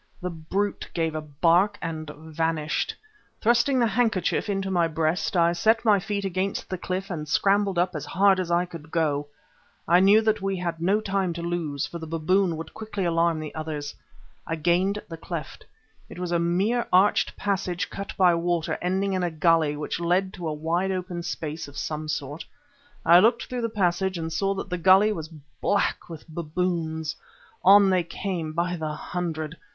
The brute gave a bark and vanished. Thrusting the handkerchief into my breast, I set my feet against the cliff and scrambled up as hard as I could go. I knew that we had no time to lose, for the baboon would quickly alarm the others. I gained the cleft. It was a mere arched passage cut by water, ending in a gulley, which led to a wide open space of some sort. I looked through the passage and saw that the gulley was black with baboons. On they came by the hundred.